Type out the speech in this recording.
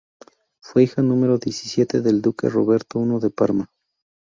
Fue hija número diecisiete del duque Roberto I de Parma.